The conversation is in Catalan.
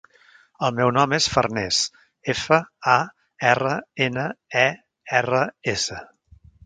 El meu nom és Farners: efa, a, erra, ena, e, erra, essa.